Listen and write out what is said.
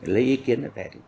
lấy ý kiến